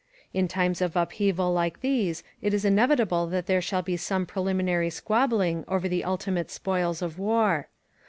In times of upheaval like these it is inevitable that there shall be some preliminary squabbling over the ultimate spoils of war.